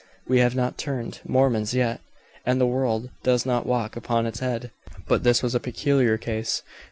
We have not turned Mormons yet, and the world does not walk upon its head. But this was a peculiar case.